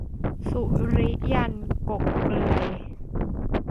สุริยันต์ กกเปลือย